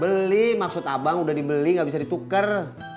beli maksud abang udah dibeli gak bisa dituker